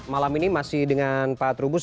malam ini masih dengan pak trubus